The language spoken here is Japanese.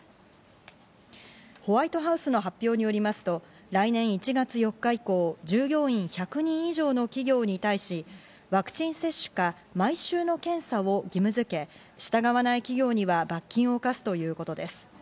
ホワイトハウスの発表によりますと来年１月４日以降、従業員１００人以上の企業に対し、ワクチン接種か、毎週の検査を義務付け、従わない企業には罰金を科すということです。